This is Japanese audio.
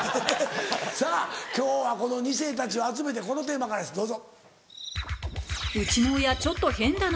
今日はこの２世たちを集めてこのテーマからですどうぞ。